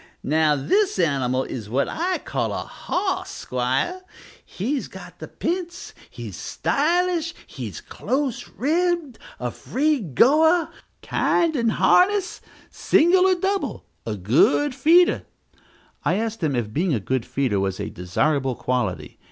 Now, this animal is what I call a hos, 'squire; he's got the p'ints, he's stylish, he's close ribbed, a free goer, kind in harness single or double a good feeder." I asked him if being a good feeder was a desirable quality.